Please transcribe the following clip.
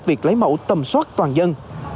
việc lấy mẫu tầm soát toàn dân